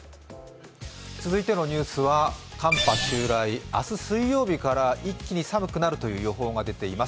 続いてのニュースは寒波襲来、明日、水曜日から一気に寒くなるという予報が出ています。